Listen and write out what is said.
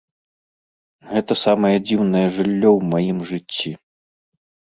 Гэта самае дзіўнае жыллё ў маім жыцці.